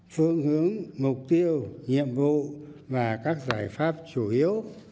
phương hướng mục tiêu nhiệm vụ và các giải pháp chủ yếu